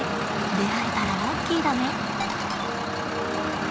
出会えたらラッキーだね。